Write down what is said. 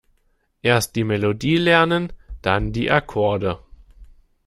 Erst die Melodie lernen, dann die Akkorde.